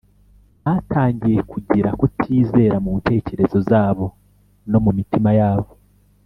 batangiye kugira kutizera mu ntekerezo zabo no mu mitima yabo